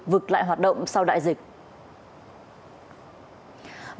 vực lại hoạt động sau đại dịch